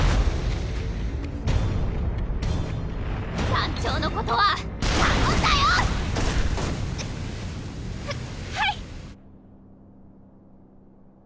団長のことは頼んだよ！ははい！